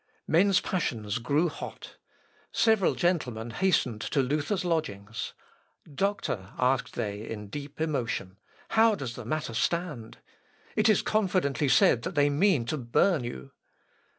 Men's passions grew hot. Several gentlemen hastened to Luther's lodgings. "Doctor," asked they in deep emotion, "how does the matter stand? It is confidently said that they mean to burn you."